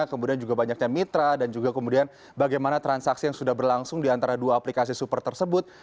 kemudian juga banyaknya mitra dan juga kemudian bagaimana transaksi yang sudah berlangsung di antara dua aplikasi super tersebut